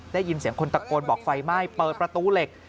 ได้ยินเสียงคนตะโกนบอกไฟไหม้เปิดประตูเหล็ก